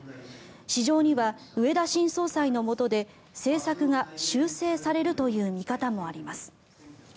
市場には植田新総裁のもとで政策が修正されるという見方もあります。